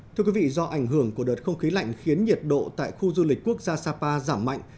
thưa quý vị do ảnh hưởng của đợt không khí lạnh khiến nhiệt độ tại khu du lịch quốc gia sapa giảm mạnh